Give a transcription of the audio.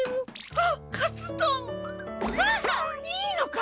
はあいいのか？